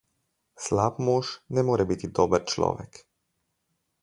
Slab mož ne more biti dober človek.